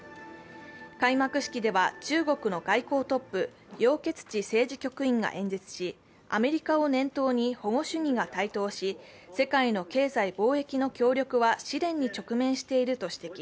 開幕式では中国の外交トップ、楊潔チが政治局員が演説し、アメリカを念頭に保護主義が台頭し世界の経済・貿易の協力は試練に直面していると指摘。